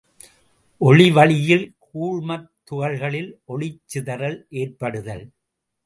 ஒளி வழியில் கூழ்மத் துகள்களில் ஒளிச் சிதறல் ஏற்படுதல்.